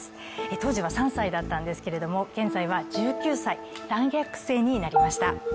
当時は３歳だったんですけれども現在は１９歳、大学生になりました。